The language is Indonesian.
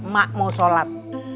mak mau sholat